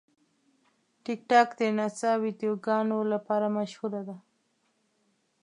ټیکټاک د نڅا ویډیوګانو لپاره مشهوره ده.